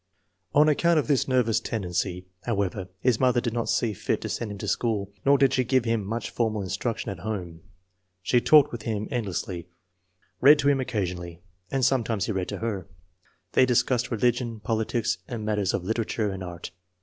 On account of this nervous tendency, however, his mother did not see fit to send Ti. to school, nor did she give him much formal instruction at home. She talked with him endlessly, read to him occasionally, and sometimes he read to her. They discussed religion, politics, and matters of literature and art.